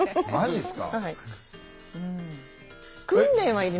はい。